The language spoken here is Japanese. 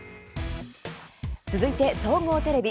続いて総合テレビ。